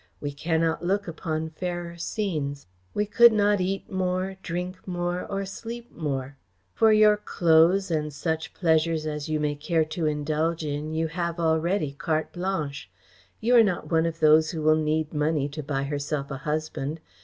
We cannot look upon fairer scenes. We could not eat more, drink more or sleep more. For your clothes and such pleasures as you may care to indulge in you have already carte blanche. You are not one of those who will need money to buy herself a husband.